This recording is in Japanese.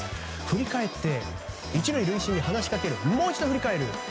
振り返って、１塁塁審に話しかける、もう一度振り返る。